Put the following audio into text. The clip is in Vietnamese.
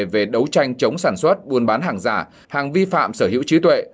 về đấu tranh chống sản xuất buôn bán hàng giả hàng vi phạm sở hữu trí tuệ